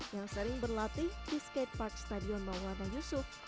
yang sering berlatih di skatepark stadion maulana yusuf